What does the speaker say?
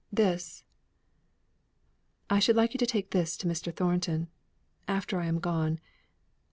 This I should like you to take this to Mr. Thornton, after I am gone.